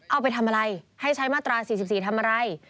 เอาไปทำอะไรให้ใช้มาตรา๔๔ทำอะไร